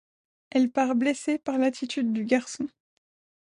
Elle part blessée par l'attitude du garçon.